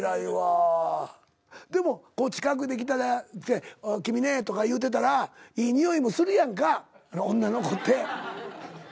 でも近く来たら「君ね」とか言うてたらいい匂いもするやんか女の子って。